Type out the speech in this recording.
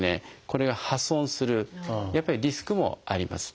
これが破損するリスクもあります。